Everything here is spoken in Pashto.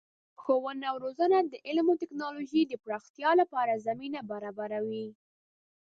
ښوونه او روزنه د علم او تکنالوژۍ د پراختیا لپاره زمینه برابروي.